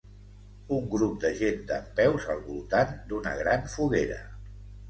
Un grup de gent dempeus al voltant d'una gran foguera.